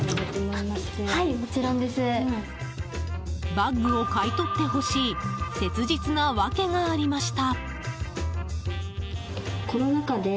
バッグを買い取ってほしい切実な訳がありました。